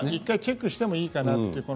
１回チェックしてもいいかなと。